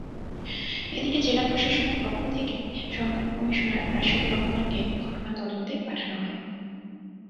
এদিকে জেলা প্রশাসনের পক্ষ থেকে সহকারী কমিশনার রাশেদুর রহমানকে ঘটনা তদন্তে পাঠানো হয়।